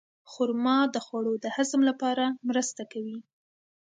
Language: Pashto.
خرما د خوړو د هضم لپاره مرسته کوي.